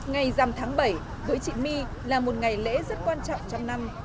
ngày dằm tháng bảy với chị my là một ngày lễ rất quan trọng trong năm